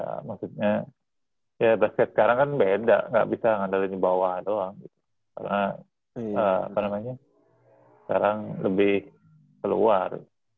ya maksudnya ya basket sekarang kan beda nggak bisa ngandalin di bawah doang karena sekarang lebih keluar